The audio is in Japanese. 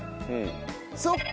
そっか。